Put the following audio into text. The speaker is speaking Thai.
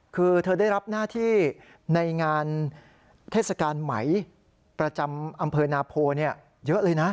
คือเธอได้รับหน้าที่ในงานเทศกาลไหมประจำอำเภอนาโพเยอะเลยนะ